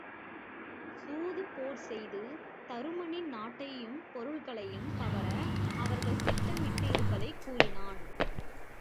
சூது போர் செய்து தருமனின் நாட்டையும் பொருள்களையும் கவர அவர்கள் திட்டம் இட்டு இருப்பதைக் கூறினான்.